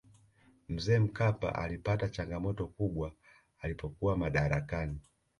mzee mkapa alipata changamoto kubwa alipokuwa madarakani